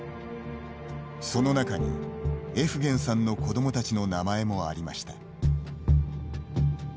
その中に、エフゲンさんの子どもたちの名前もありました。